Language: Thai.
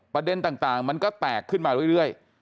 ประเด็นต่างมันก็แตกขึ้นมาเรื่อย